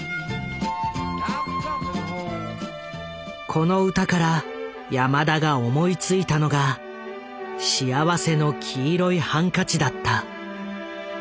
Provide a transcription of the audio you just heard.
この歌から山田が思いついたのが「幸福の黄色いハンカチ」だった。